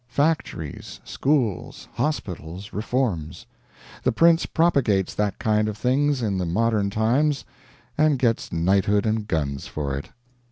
Factories, schools, hospitals, reforms. The prince propagates that kind of things in the modern times, and gets knighthood and guns for it.